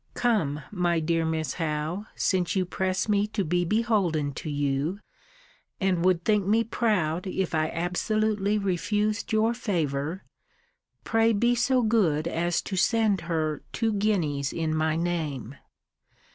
Come, my dear Miss Howe, since you press me to be beholden to you: and would think me proud if I absolutely refused your favour; pray be so good as to send her two guineas in my name.